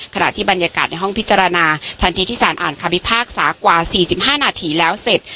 ขณะที่บรรยากาศในห้องพิจารณาทันทีที่สารอ่านคำพิพากษากว่า๔๕นาทีแล้วเสร็จ